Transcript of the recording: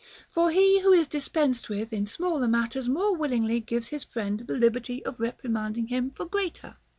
For he who is dispensed with in smaller matters more willingly gives his friend the liberty of reprimanding him for greater.